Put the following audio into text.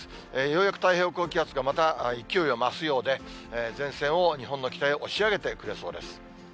ようやく太平洋高気圧がまた勢いを増すようで、前線を日本の北へ押し上げてくれそうです。